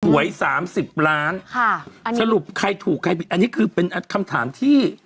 หวยสามสิบล้านค่ะสรุปใครถูกใครผิดอันนี้คือเป็นคำถามที่